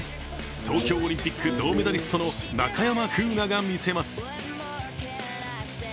東京オリンピック銅メダリストの中山楓奈が見せます。